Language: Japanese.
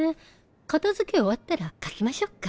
片づけ終わったら描きましょっか。